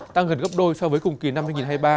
tăng gần gấp đôi so với cùng kỳ năm hai nghìn hai mươi ba